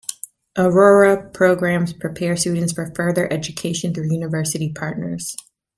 Aurora programs prepare students for further education through university partners.